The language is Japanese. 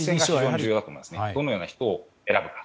どのような人を選ぶのか。